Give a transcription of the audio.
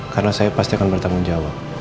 karena saya pasti akan bertanggung jawab